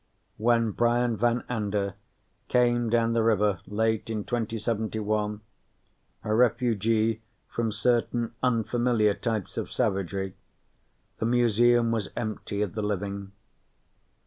When Brian Van Anda came down the river late in 2071, a refugee from certain unfamiliar types of savagery, the Museum was empty of the living.